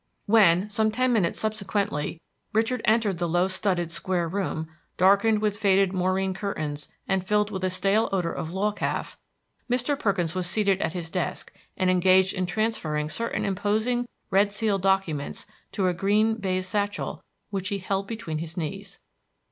When, some ten minutes subsequently, Richard entered the low studded square room, darkened with faded moreen curtains and filled with a stale odor of law calf, Mr. Perkins was seated at his desk and engaged in transferring certain imposing red sealed documents to a green baize satchel which he held between his knees.